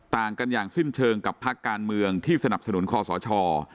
ต่างกันอย่างสิ้นเชิงกับภาคการเมืองที่สนับสนุนคอสช